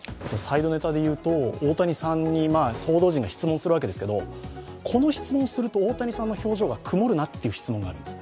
大谷さんに報道陣が質問するんですけどこの質問すると大谷さんの表情が曇るなという質問があるんです。